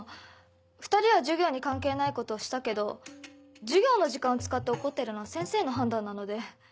２人は授業に関係ないことをしたけど授業の時間を使って怒ってるのは先生の判断なので。